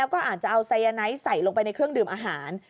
ก็อาจจะเอาไซยาไนท์ใส่ลงไปในเครื่องดื่มอาหาร